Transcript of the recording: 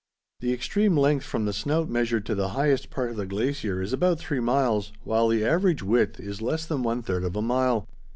The extreme length from the snout measured to the highest part of the glacier is about three miles, while the average width is less than one third of a mile.